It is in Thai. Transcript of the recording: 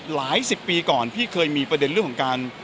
หลายสิบปีก่อนพี่เคยมีประเด็นเรื่องของการ